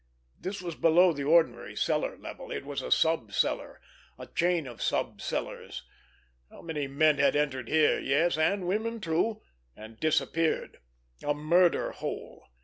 This was below the ordinary cellar level; it was a sub cellar, a chain of sub cellars. How many men had entered here, yes, and women too—and disappeared? A murder hole!